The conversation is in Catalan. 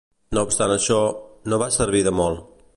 No obstant això, no va servir de molt.